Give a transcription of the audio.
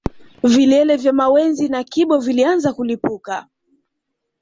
Vilele vya mawenzi na kibo vilianza kulipuka